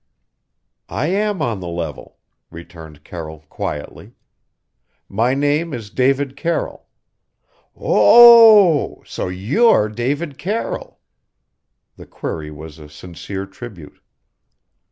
"I am on the level," returned Carroll quietly. "My name is David Carroll " "O o oh! So you're David Carroll?" The query was a sincere tribute.